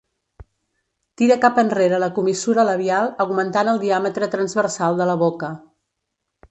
Tira cap enrere la comissura labial augmentant el diàmetre transversal de la boca.